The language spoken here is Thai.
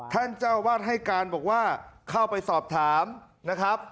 ท่านเจ้าวาดให้การบอกว่าเข้าไปสอบถามนะครับ